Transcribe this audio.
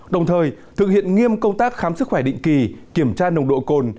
đồng thời thực hiện nghiêm công tác khám sức khỏe định kỳ kiểm tra nồng độ cồn